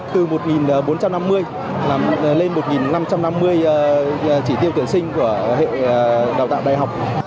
từ một bốn trăm năm mươi lên một năm trăm năm mươi chỉ tiêu tuyển sinh của hệ đào tạo đại học